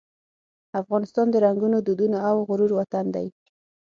افغانستان د رنګونو، دودونو او غرور وطن دی.